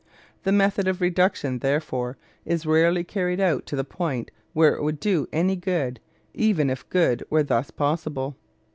The method of reduction, therefore, is rarely carried out to the point where it would do any good, even if good were thus possible.